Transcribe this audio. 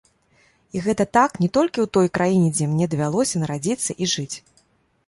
І гэта так не толькі ў той краіне, дзе мне давялося нарадзіцца і жыць.